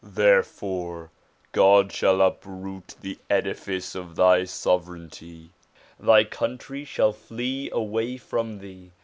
Therefore God shall uproot the edi fice of thy sovereignty ; thy country shall flee away from thee.